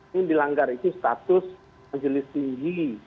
yang dilanggar itu status majelis tinggi